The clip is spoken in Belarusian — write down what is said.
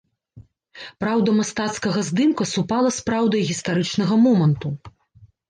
Праўда мастацкага здымка супала з праўдай гістарычнага моманту.